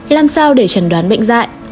làm sao để trần đoán bệnh dại